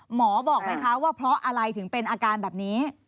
หมอบอกไหมคะว่าเพราะอะไรถึงเป็นอาการแบบนี้